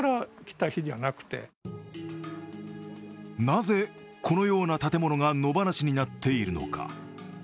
なぜ、このような建物が野放しになっているのか。